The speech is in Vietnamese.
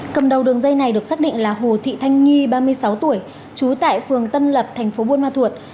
cầm đầu đường dây này được xác định là hồ thị thanh nhi ba mươi sáu tuổi trú tại phường tân lập thành phố buôn ma thuột